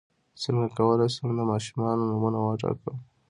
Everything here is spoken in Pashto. څنګه کولی شم د ماشومانو نومونه وټاکم